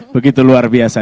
begitu luar biasa